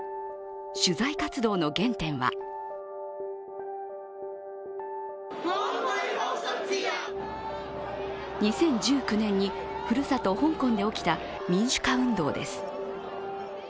取材活動の原点は２０１９年にふるさと・香港で起きた民主化運動です。